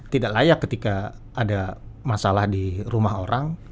tidak layak ketika ada masalah di rumah orang